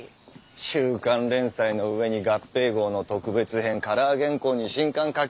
週刊連載のうえに合併号の特別編カラー原稿に新刊描き